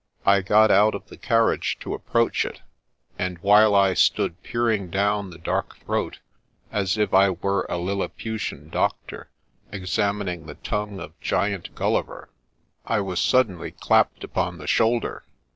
I got out of the carriage to approach it, and while I stood peering down the dark throat, as if I were a Lilliputian doctor examining the tongue of Giant Gulliver, I was suddenly clapped upon the shoulder.